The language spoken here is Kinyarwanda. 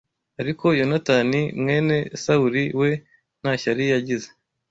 Ariko Yonatani mwene Sawuli we nta shyari yagize